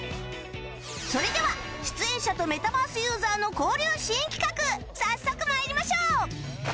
それでは出演者とメタバースユーザーの交流新企画早速参りましょう！